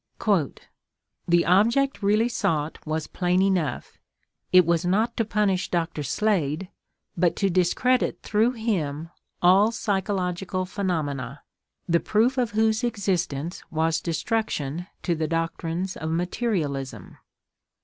"The object really sought was plain enough. It was not to punish Dr. Slade, but to discredit through him all psychological phenomena, the proof of whose existence was destruction to the doctrines of materialism....